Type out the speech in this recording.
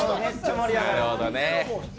なるほどね。